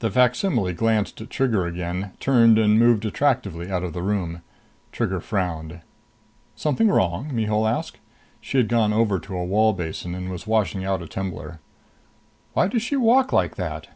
The facsimile glanced at Trigger again, turned and moved attractively out of the room. Trigger frowned. "Something wrong?" Mihul asked. She had gone over to a wall basin and was washing out a tumbler. "Why does she walk like that?"